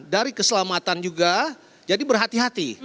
dari keselamatan juga jadi berhati hati